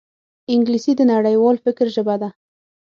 انګلیسي د نړیوال فکر ژبه ده